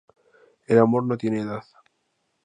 El amor no tiene edad